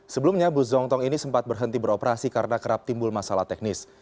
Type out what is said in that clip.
sebelumnya bus zongtong ini sempat berhenti beroperasi karena kerap timbul masalah teknis